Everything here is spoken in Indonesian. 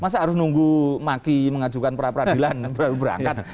masa harus nunggu maki mengajukan perapradilan berangkat